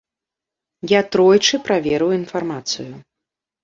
Я тройчы праверыў інфармацыю.